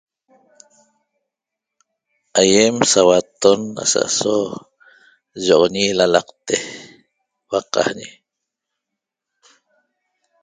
Aiem sauatton asa'aso yoxoñi lalaqte huaqaañe